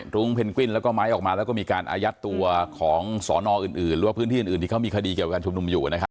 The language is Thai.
รุ้งเพนกวินแล้วก็ไม้ออกมาแล้วก็มีการอายัดตัวของสอนออื่นหรือว่าพื้นที่อื่นที่เขามีคดีเกี่ยวกับการชุมนุมอยู่นะครับ